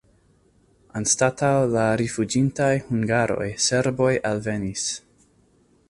Anstataŭ la rifuĝintaj hungaroj serboj alvenis.